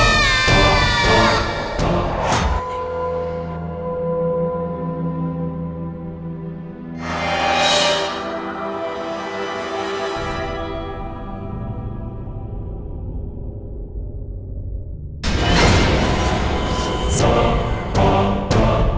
tidak ada yang bisa dipercaya